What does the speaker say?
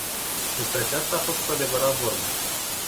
Despre aceasta a fost cu adevărat vorba.